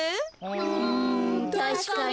うんたしかに。